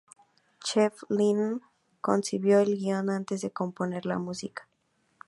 Jeff Lynne concibió el guion antes de componer la música.